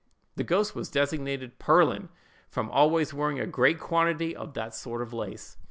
"The ghost was designated 'Pearlin,' from always wearing a great quantity of that sort of lace.